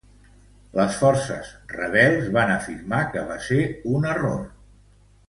Les forces rebels van afirmar que va ser un error.